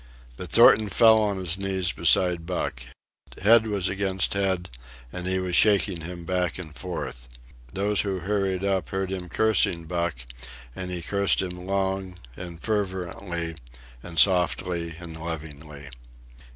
But Thornton fell on his knees beside Buck. Head was against head, and he was shaking him back and forth. Those who hurried up heard him cursing Buck, and he cursed him long and fervently, and softly and lovingly.